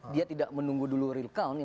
dia tidak menunggu dulu real count